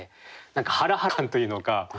何かハラハラ感というのか